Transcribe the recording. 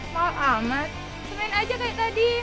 mau amat senen aja kayak tadi